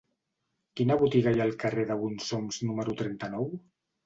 Quina botiga hi ha al carrer de Bonsoms número trenta-nou?